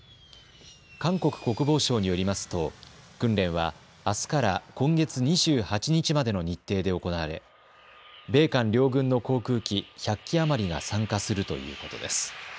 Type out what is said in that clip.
韓国国防省によりますと訓練はあすから今月２８日までの日程で行われ、米韓両軍の航空機１００機余りが参加するということです。